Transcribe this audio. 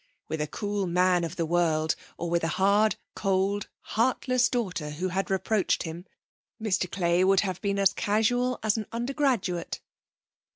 With a cool man of the world, or with a hard, cold, heartless daughter who had reproached him, Mr Clay would have been as casual as an undergraduate.